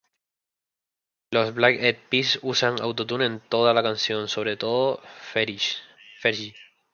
Los Black Eyed Peas usan auto-tune en toda la canción, sobre todo Fergie.